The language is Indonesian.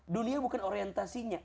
dunia bukan orientasinya